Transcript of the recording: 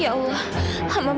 ya allah allah muhammadahimu